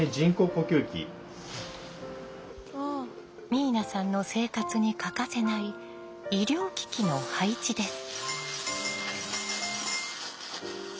明奈さんの生活に欠かせない医療機器の配置です。